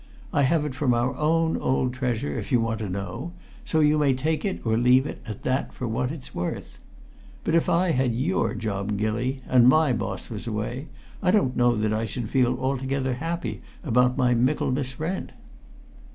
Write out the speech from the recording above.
I have it from our own old treasure, if you want to know, so you may take it or leave it at that for what it's worth. But if I had your job, Gilly, and my boss was away, I don't know that I should feel altogether happy about my Michaelmas rent."